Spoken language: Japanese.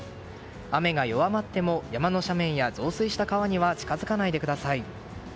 雨が弱まっても山の斜面や増水した川には近づかないでください。